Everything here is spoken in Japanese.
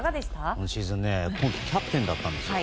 今シーズンキャプテンだったんですよ。